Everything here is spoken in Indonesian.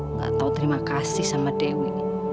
nggak tahu terima kasih sama dewi